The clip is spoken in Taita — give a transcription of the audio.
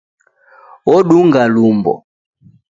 Odunga lumbo